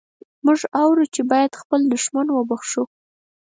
موږ اورو چې باید خپل دښمن وبخښو.